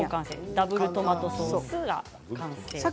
ダブルトマトソースの完成ですね。